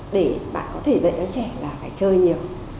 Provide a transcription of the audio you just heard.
để bạn có thể dạy cho trẻ là phải chơi nhiều